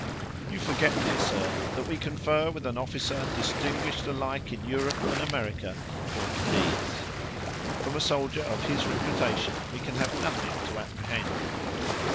"You forget, dear sir, that we confer with an officer, distinguished alike in Europe and America for his deeds. From a soldier of his reputation we can have nothing to apprehend."